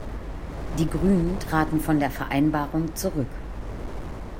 Die Grünen traten von der Vereinbarung zurück.